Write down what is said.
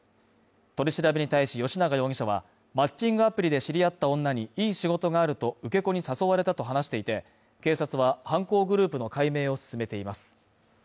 取り調べに対し吉永容疑者はマッチングアプリで知り合った女に良い仕事があると、受け子に誘われたと話していて、警察は、犯行グループの解明を進めています。